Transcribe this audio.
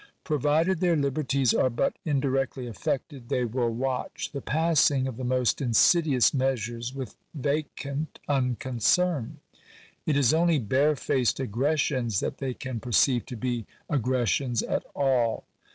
Provided their liberties are but indirectly affected, they will watch the passing of the most insidious measures with vacant unconcern. It is only barefaced aggressions that they can perceive to be aggressions at all.